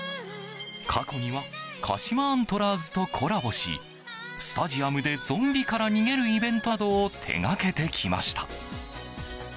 過去には鹿島アントラーズとコラボしスタジアムでゾンビから逃げるイベントなどを手掛けてきました。